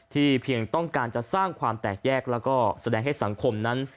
เพียงต้องการจะสร้างความแตกแยกแล้วก็แสดงให้สังคมนั้น